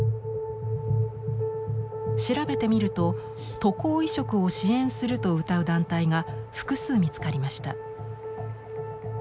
調べてみると渡航移植を支援するとうたう団体が複数見つかりました。